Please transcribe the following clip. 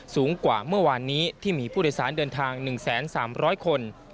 สูงกว่าเมื่อวานนี้ที่มีผู้โดยสารเดินทาง๑๓๐๐คน